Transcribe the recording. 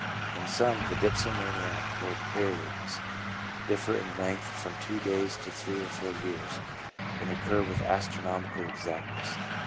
In some, the dipsomaniacal periods differ in length from two days to three or four years, and occur with astronomical exactness.